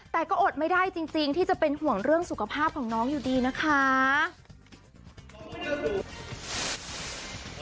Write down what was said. แต่ก็อดไม่ได้จริงที่จะเป็นห่วงเรื่องสุขภาพของน้องอยู่ดีนะคะ